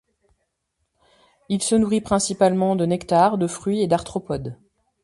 Il se nourrit principalement de nectar, de fruits et d'arthropodes.